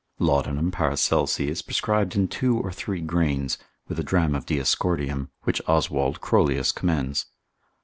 Laudanum Paracelsi is prescribed in two or three grains, with a dram of Diascordium, which Oswald. Crollius commends.